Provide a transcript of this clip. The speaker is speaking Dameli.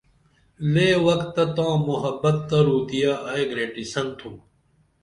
لے وکتہ تاں محبت تہ روتِیہ ائی گریٹِسن تُھم